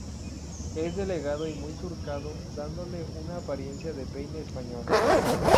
Es delgado y muy surcado, dándole una apariencia de peine español.